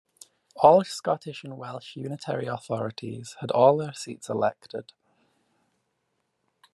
All Scottish and Welsh unitary authorities had all their seats elected.